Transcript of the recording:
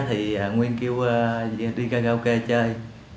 thì nguyên kêu đi karaoke chơi